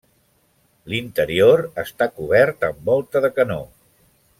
L'interior està cobert amb volta de canó.